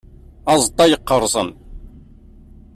Azeṭṭa yeqqerṣen.